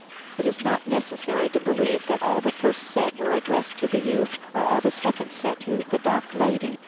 It is not necessary to believe that all the first set were addressed to the youth or all the second set to the " dark lady."